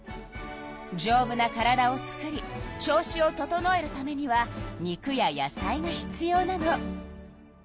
じょうぶな体を作り調子を整えるためには肉や野菜が必要なの。